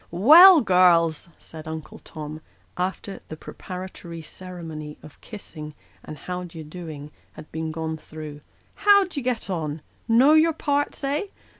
" Well, girls !" said Uncle Tom, after the preparatory ceremony of kissing and how d'ye do ing had been gone through " how d'ye get on? Know your parts, eh?